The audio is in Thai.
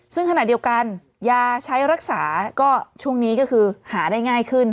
ซึ่งขณะเดียวกันยาใช้รักษาก็ช่วงนี้ก็คือหาได้ง่ายขึ้น